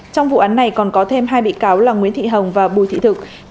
trong vụ án này còn có thêm hai bị cáo là nguyễn thị hồng và bùi thị thực